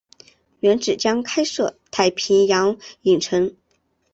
原址将开设太平洋影城。